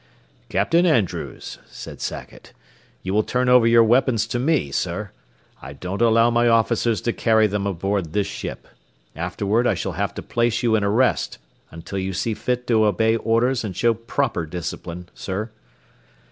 "Captain Andrews," said Sackett, "you will turn over your weapons to me, sir. I don't allow my officers to carry them aboard this ship. Afterward I shall have to place you in arrest until you see fit to obey orders and show proper discipline, sir."